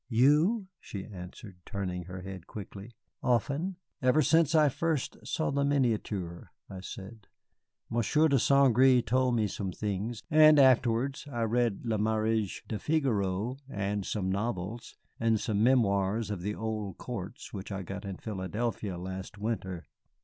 "You?" she answered, turning her head quickly. "Often?" "Ever since I first saw the miniature," I said. "Monsieur de St. Gré told me some things, and afterwards I read 'Le Mariage de Figaro,' and some novels, and some memoirs of the old courts which I got in Philadelphia last winter.